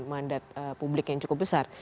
mandat publik yang cukup besar